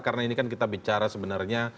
karena ini kan kita bicara sebenarnya